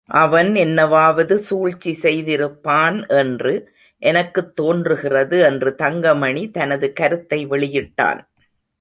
அவன் என்னவாவது சூழ்ச்சி செய்திருப்பான் என்று எனக்குத் தோன்றுகிறது என்று தங்கமணி தனது கருத்தை வெளியிட்டான்.